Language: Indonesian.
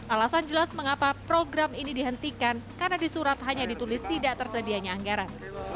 alasan jelas mengapa program ini dihentikan karena di surat hanya ditulis tidak tersedianya anggaran